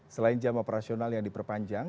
selain jam operasional yang diperpanjang